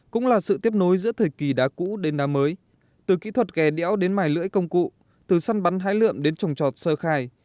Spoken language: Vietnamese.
cũng là sự tiếp nối giữa thời kỳ đá cũ đến đá mới từ kỹ thuật ghe đẽo đến mài lưỡi công cụ từ săn bắn hái lượm đến trồng trọt sơ khai